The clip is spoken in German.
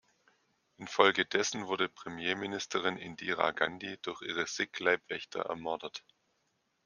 Infolgedessen wurde Premierministerin Indira Gandhi durch ihre Sikh-Leibwächter ermordet.